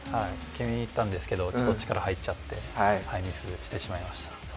決めにいったんですけど、ちょっと力が入っちゃって、ミスしちゃいました。